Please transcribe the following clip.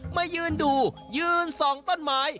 มายืนดูยืนส่องต้นไม้